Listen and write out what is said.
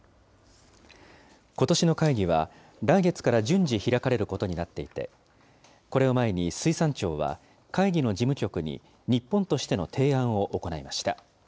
ことしの会議は、来月から順次開かれることになっていて、これを前に水産庁は、会議の事務局に日本としての提案を行いました。